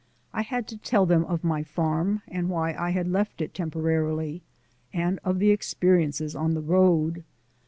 I had to tell them of my farm, and why I had left it temporarily, and of the experiences on the road.